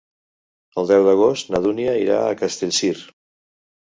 El deu d'agost na Dúnia irà a Castellcir.